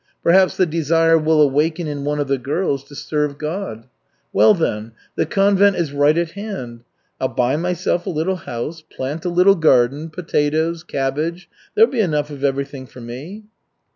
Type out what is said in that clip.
Perhaps the desire will awaken in one of the girls to serve God. Well, then, the convent is right at hand. I'll buy myself a little house, plant a little garden, potatoes, cabbage there'll be enough of everything for me."